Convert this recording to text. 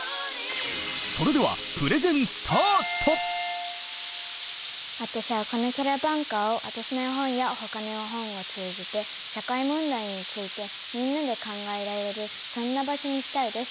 それでは私はこのキャラバンカーを私の絵本やほかの絵本を通じて社会問題についてみんなで考えられるそんな場所にしたいです。